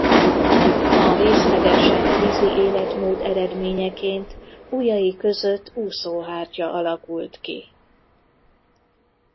A részlegesen vízi életmód eredményeként ujjai között úszóhártya alakult ki.